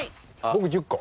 僕１０個。